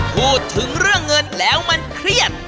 พูดถึงเรื่องเงินแล้วมันเครียด